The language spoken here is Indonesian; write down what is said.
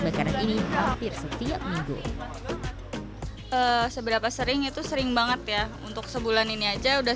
kebakaran ini hampir setiap minggu seberapa sering itu sering banget ya untuk sebulan ini aja udah